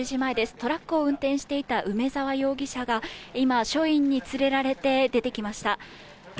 トラックを運転していた梅沢容疑者が今、署員に連れられて出てきました。